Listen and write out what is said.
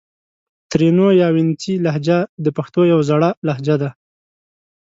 ترینو یا وڼېڅي لهجه د پښتو یو زړه لهجه ده